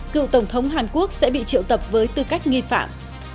cựu tổng thống hàn quốc sẽ bị triệu tập với tư cách nghi phạm